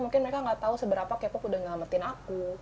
mungkin mereka nggak tahu seberapa k pop udah ngelamartin aku